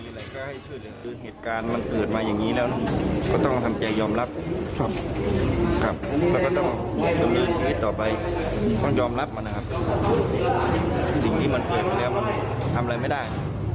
สิ่งที่มันเกิดขึ้นแล้วมันทำอะไรไม่ได้